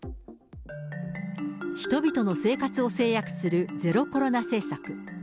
人々の生活を制約するゼロコロナ政策。